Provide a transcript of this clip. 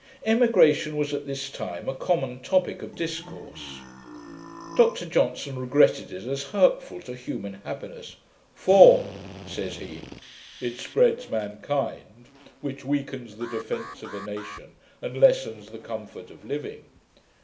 Emigration was at this time a common topick of discourse. Dr Johnson regretted it as hurtful to human happiness: 'For,' said he, 'it spreads mankind which weakens the defence of a nation, and lessens the comfort of living.